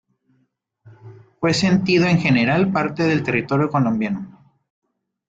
Fue sentido en gran parte del territorio colombiano.